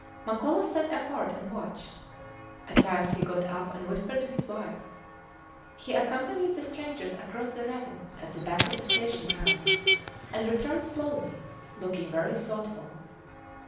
Makola sat apart and watched. At times he got up and whispered to his wife. He accompanied the strangers across the ravine at the back of the station ground, and returned slowly looking very thoughtful.